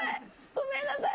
ごめんなさい。